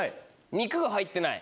肉が入ってない。